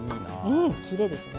うんきれいですね。